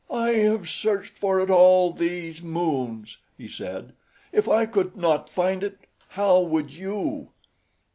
"I have searched for it all these moons," he said. "If I could not find it, how would you?"